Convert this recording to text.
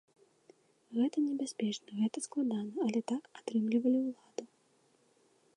Гэта небяспечна, гэта складана, але так атрымлівалі ўладу.